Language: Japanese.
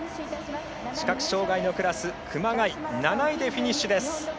視覚障がいのクラス７位でフィニッシュです。